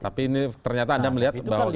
tapi ini ternyata anda melihat bahwa